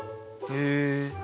へえ。